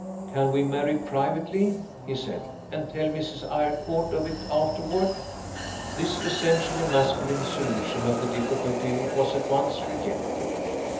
"Can we marry privately," he said, "and tell Mrs. Eyrecourt of it afterward?" This essentially masculine solution of the difficulty was at once rejected.